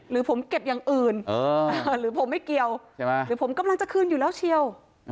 หรือผมเก็บอย่างอื่นหรือผมไม่เกี่ยวใช่ไหมหรือผมกำลังจะคืนอยู่แล้วเชียว